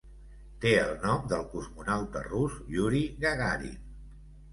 Té el nom del cosmonauta rus Yuri Gagarin.